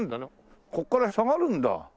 ここから下がるんだ。